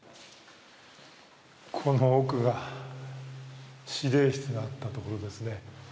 この奥が司令室だったところですね。